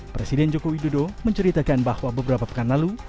presiden joko widodo menceritakan bahwa beberapa pekan lalu